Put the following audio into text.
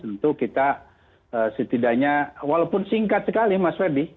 tentu kita setidaknya walaupun singkat sekali mas ferdi